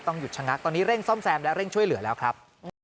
หยุดชะงักตอนนี้เร่งซ่อมแซมและเร่งช่วยเหลือแล้วครับ